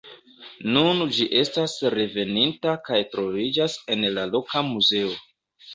Nun ĝi estas reveninta kaj troviĝas en la loka muzeo.